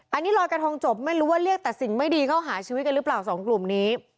อันนี้ลอยกระทงจบไม่รู้ว่าเรียกแต่สิ่งไม่ดีเข้าหาชีวิตกันหรือเปล่าสองกลุ่มนี้